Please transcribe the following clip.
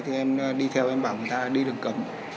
thì em đi theo em bảo người ta đi đường cấm